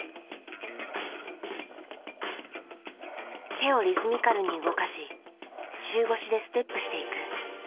手をリズミカルに動かし中腰でステップしていく。